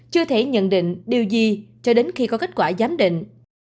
chưa thể nhận định điều gì cho đến khi có kết quả giám định